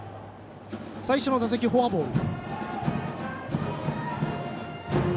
最初の打席、フォアボール。